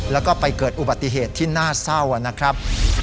แล้วก็ไปเกิดอุบัติเหตุที่น่าเศร้านะครับ